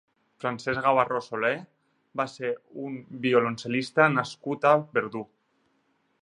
Francesc Gabarró Solé va ser un violoncelista nascut a Verdú.